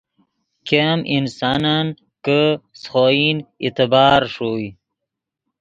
ګیم انسانن کہ سے خوئن اعتبار ݰوئے